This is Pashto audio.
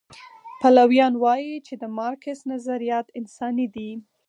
پلویان وایي چې د مارکس نظریات انساني دي.